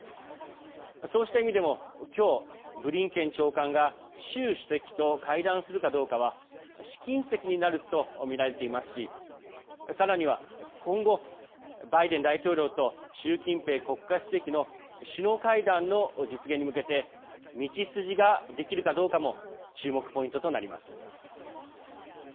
そうした意味でも今日、ブリンケン長官が習主席と会談するかどうかは試金石になるとみられていますしさらには今後、バイデン大統領と習近平国家主席の首脳会談の実現に向けて道筋ができるかどうかも注目ポイントとなります。